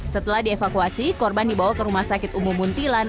setelah dievakuasi korban dibawa ke rumah sakit umum muntilan